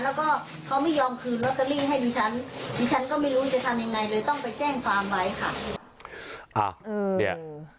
แล้วก็เขาไม่ยอมคืนลอตเตอรี่ให้ดิฉันดิฉันก็ไม่รู้จะทำยังไงเลยต้องไปแจ้งความไว้ค่ะ